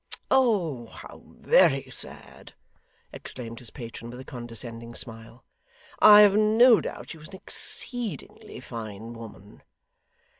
'How very sad!' exclaimed his patron, with a condescending smile. 'I have no doubt she was an exceedingly fine woman.